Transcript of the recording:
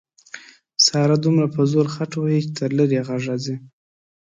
ساره دومره په زوره خټ وهي چې تر لرې یې غږ ځي.